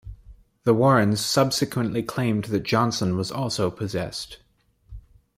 The Warrens subsequently claimed that Johnson was also possessed.